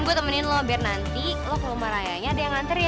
gua temenin lo biar nanti lo ke rumah rayanya ada yang nganterin